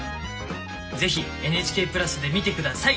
是非「ＮＨＫプラス」で見て下さい。